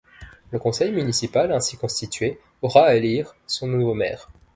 Le conseil municipal ainsi constitué aura à élire son nouveau maire.